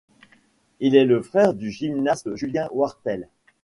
Il est le frère du gymnaste Julien Wartelle.